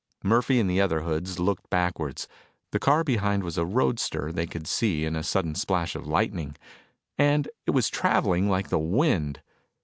Murphy and the other hoods looked backwards. The car behind was a roadster, they could see in a sudden splash of lightning. And it was traveling like the wind.